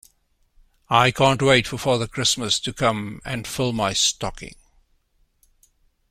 I can't wait for Father Christmas to come and fill my stocking